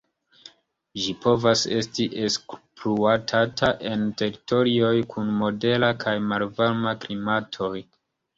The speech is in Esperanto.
Ĝi povas esti ekspluatata en teritorioj kun modera kaj malvarma klimatoj.